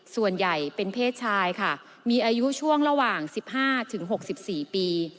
ส่วนใหญ่เป็นเพศชายค่ะมีอายุช่วงระหว่าง๑๕๖๔ปี